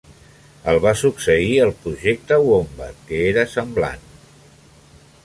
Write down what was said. El va succeir el projecte Wombat, que era semblant.